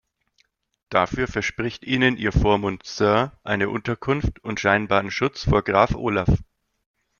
Dafür verspricht ihnen ihr Vormund „Sir“ eine Unterkunft und scheinbaren Schutz vor Graf Olaf.